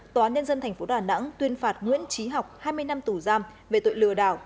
tòa nhân dân tp đà nẵng tuyên phạt nguyễn trí học hai mươi năm tù giam về tội lừa đảo